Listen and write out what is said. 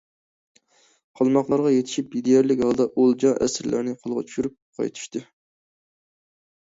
قالماقلارغا يېتىشىپ دېيەرلىك ھالدا ئولجا، ئەسىرلەرنى قولغا چۈشۈرۈپ قايتىشتى.